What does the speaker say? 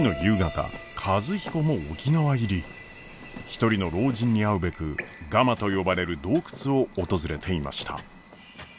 一人の老人に会うべくガマと呼ばれる洞窟を訪れていました。